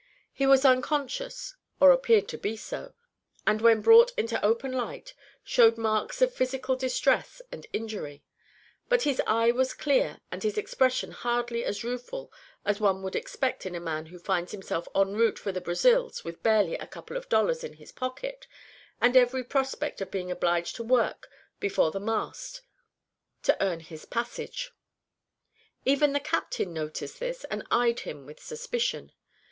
He was unconscious, or appeared to be so, and when brought into open light showed marks of physical distress and injury; but his eye was clear and his expression hardly as rueful as one would expect in a man who finds himself en route for the Brazils with barely a couple of dollars in his pocket and every prospect of being obliged to work before the mast to earn his passage. Even the captain noticed this and eyed him with suspicion.